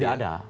tidak ada